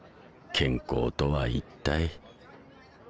健康とは一体。